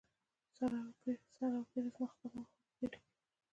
سر او ګېډه زما خپله وه، خو په ګېډه کې.